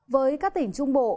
với các tỉnh trung bộ